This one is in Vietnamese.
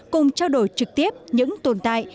cùng trao đổi trực tiếp những tồn tại